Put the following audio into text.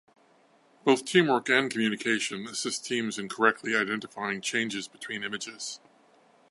Both teamwork and communication assist teams in correctly identifying changes between images.